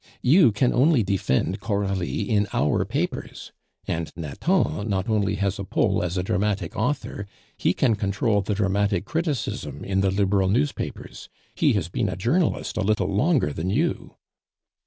You can only defend Coralie in our papers; and Nathan not only has a pull as a dramatic author, he can control the dramatic criticism in the Liberal newspapers. He has been a journalist a little longer than you!"